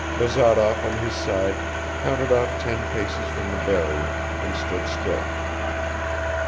Bazarov on his side counted off ten paces from the barrier and stood still.